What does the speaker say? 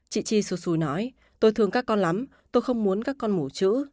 chị chi xù xù nói tôi thương các con lắm tôi không muốn các con mủ chữ